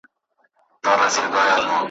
ویل زه مي خپل پاچا یم را لېږلی `